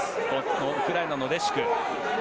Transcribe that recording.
ウクライナのレシュク。